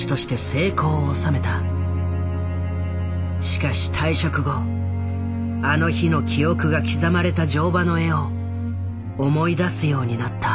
しかし退職後あの日の記憶が刻まれた乗馬の絵を思い出すようになった。